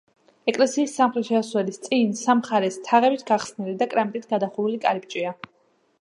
ეკლესიის სამხრეთ შესასვლელის წინ სამ მხარეს თაღებით გახსნილი და კრამიტით გადახურული კარიბჭეა.